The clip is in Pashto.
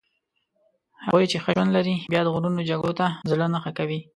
هغوی چې ښه ژوند لري بیا د غرونو جګړو ته زړه نه ښه کوي.